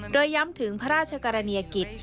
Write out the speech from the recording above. โดยย้ำถึงพระราชกรณียกิจ